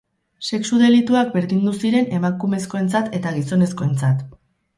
Sexu-delituak berdindu ziren emakumezkoentzat eta gizonezkoentzat.